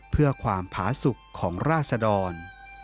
เพื่อความผาสุขของราศดร